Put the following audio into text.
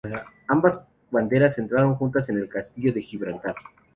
Ambas banderas entraron juntas en el castillo de Gibraltar.